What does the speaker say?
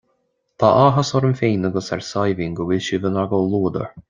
Tá áthas orm féin agus ar Saidhbhín go bhfuil sibh inár gcomhluadar